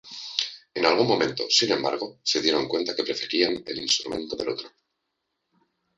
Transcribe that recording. En algún momento, sin embargo, se dieron cuenta que preferían el instrumento del otro.